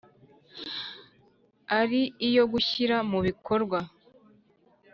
ari iyo gushyira mu bikorwa